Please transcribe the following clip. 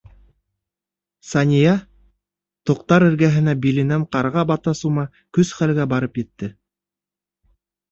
Сания тоҡтар эргәһенә биленән ҡарға бата-сума көс-хәлгә барып етте.